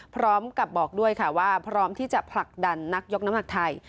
พร้อมกับบอกด้วยค่ะว่าพร้อมที่จะผลักดันนักยกน้ำหนักไทย